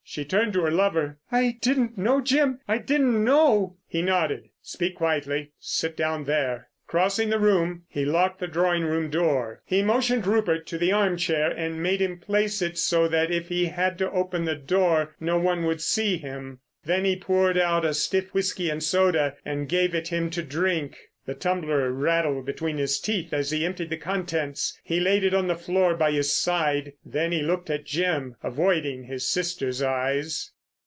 She turned to her lover. "I didn't know, Jim, I didn't know!" He nodded. "Speak quietly. Sit down there." Crossing the room, he locked the drawing room door. He motioned Rupert to the arm chair and made him place it so that if he had to open the door no one would see him. Then he poured out a stiff whisky and soda and gave it him to drink. The tumbler rattled between his teeth as he emptied the contents. He laid it on the floor by his side, then he looked at Jim, avoiding his sister's eyes.